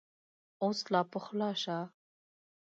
اوس لا پخلا شه !